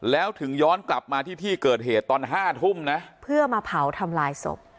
แล้วถึงย้อนกลับมาที่ที่เกิดเหตุตอนห้าทุ่มนะเพื่อมาเผาทำลายศพ